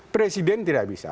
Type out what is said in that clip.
presiden tidak bisa